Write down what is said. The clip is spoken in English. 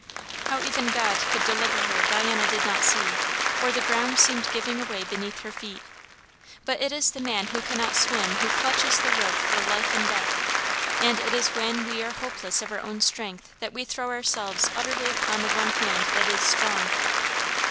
How even God could deliver her, Diana did not see, for the ground seemed giving away beneath her feet; but it is the man who cannot swim who clutches the rope for life and death; and it is when we are hopeless of our own strength that we throw ourselves utterly upon the one hand that is strong.